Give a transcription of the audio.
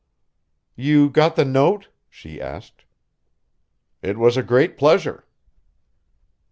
"You got the note?" she asked. "It was a great pleasure."